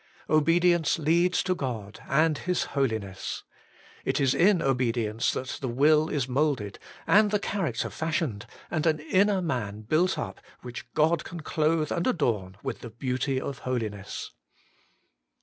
Obedience leads to God and His Holiness. It is in obedience that the will is moulded, and the character fashioned, and an inner man built up which God can clothe and adorn with the beauty of holiness.